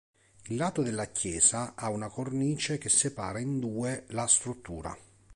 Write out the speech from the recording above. Il lato della chiesa ha una cornice che separa in due la struttura.